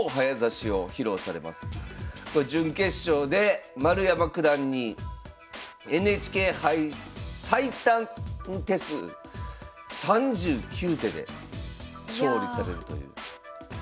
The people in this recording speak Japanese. これ準決勝で丸山九段にＮＨＫ杯最短手数３９手で勝利されるという。